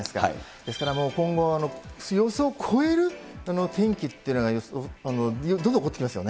ですからもう今後、予想を超える天気っていうのが、どんどん起こってきますよね。